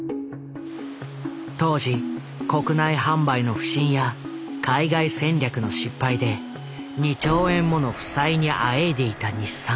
当時国内販売の不振や海外戦略の失敗で２兆円もの負債にあえいでいた日産。